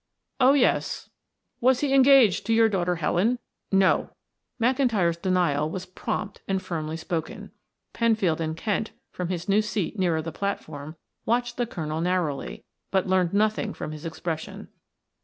"Oh, yes." "Was he engaged to your daughter Helen?" "No." McIntyre's denial was prompt and firmly spoken. Penfield and Kent, from his new seat nearer the platform, watched the colonel narrowly, but learned nothing from his expression.